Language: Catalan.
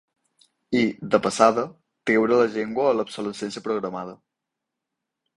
I, de passada, treure la llengua a l’obsolescència programada.